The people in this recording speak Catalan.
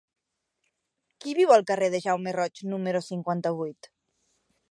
Qui viu al carrer de Jaume Roig número cinquanta-vuit?